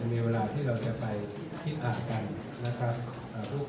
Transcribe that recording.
มีเวลาที่เราจะไปคิดอ่านกันนะครับ